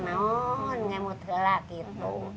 nanti emutan lah gitu